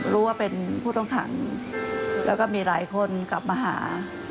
รู้ว่าเป็นผู้ต้องขังแล้วก็มีหลายคนกลับมาหา